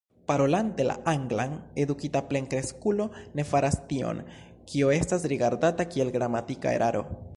Parolante la anglan, edukita plenkreskulo ne faras tion, kio estas rigardata kiel gramatika eraro.